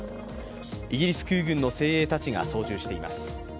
イギリス空軍の精鋭たちが操縦しています。